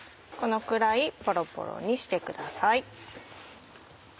このくらいポロポロにしてください。